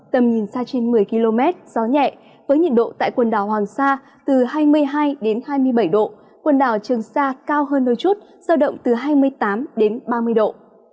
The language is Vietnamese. tầm nhìn xa trên một mươi km gió nhẹ với nhiệt độ tại quần đảo hoàng sa từ hai mươi hai đến hai mươi bảy độ quần đảo trường sa cao hơn đôi chút giao động từ hai mươi tám đến ba mươi độ